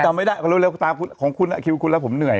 ทำไม่ได้ตามคนทางคุณคิวคุณแล้วผมเหนื่อย